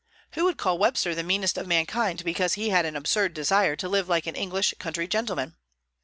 Who would call Webster the meanest of mankind because he had an absurd desire to live like an English country gentleman?